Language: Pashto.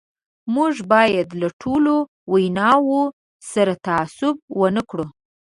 موږ باید له ټولو ویناوو سره تعصب ونه کړو.